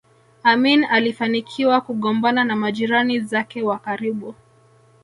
Amin alifanikiwa kugombana na majirani zake wa karibu